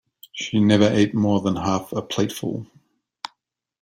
She never ate more than half a plateful